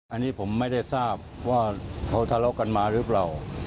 อันนี้ผมไม่ได้ทราบว่าเขาทะเลาะกันมาหรือเปล่า